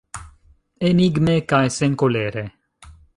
Enigme kaj senkolere.